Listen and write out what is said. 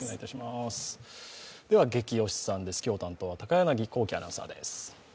「ゲキ推しさん」です、今日担当は高柳光希アナウンサーです。